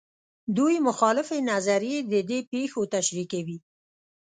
دوې مخالفې نظریې د دې پېښو تشریح کوي.